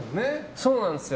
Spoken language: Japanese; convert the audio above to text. そうなんですよ。